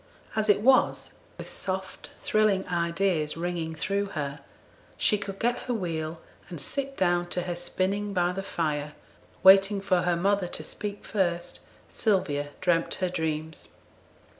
As it was, with soft thrilling ideas ringing through her, she could get her wheel, and sit down to her spinning by the fire; waiting for her mother to speak first, Sylvia dreamt her dreams.